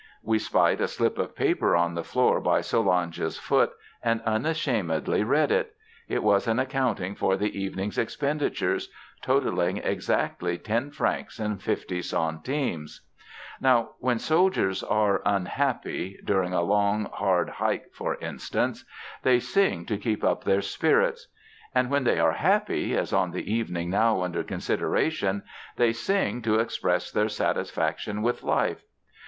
I spied a slip of paper on the floor by Solange's foot and unashamedly read it. It was an accounting for the evening's expenditures totaling exactly ten francs and fifty centimes. Now when soldiers are unhappy during a long, hard hike, for instance they sing to keep up their spirits. And when they are happy, as on the evening now under consideration, they sing to express their satisfaction with life.